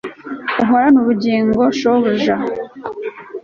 uhorane ubugingo, shobuja